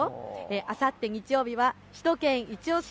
あさって日曜日は首都圏いちオシ！